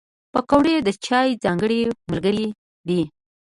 پکورې د چای ځانګړی ملګری دی